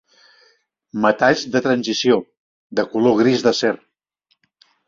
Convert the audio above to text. Metalls de transició, de color gris d'acer.